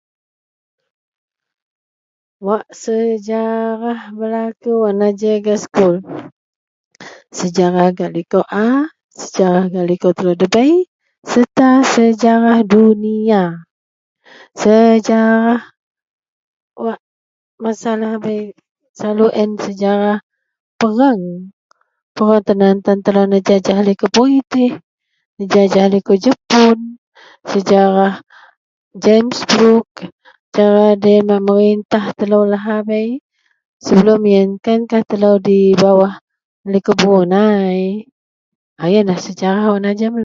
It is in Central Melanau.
Wak sejarah belaku wak najer gak sekul, sejarah gak likou a, sejarah gak likou telou debei sereta sejarah duniya. Sejarah wak masa lahabei selalu a yen sejarah pereng, pereng tan an tan telou nejajah likou Britih, nejajah likou Jepun, sejarah James Brook cara deloyen memerintah telou lahabei. Sebelum yen kan kah telou di bawah likou Brunei. A yenlah sejarah wak najer me.